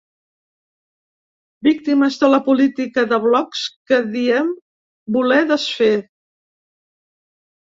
Víctimes de la política de blocs que diem voler desfer.